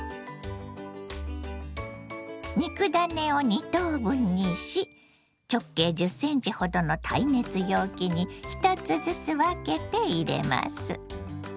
肉ダネを２等分にし直径１０ｃｍほどの耐熱容器に１つずつ分けて入れます。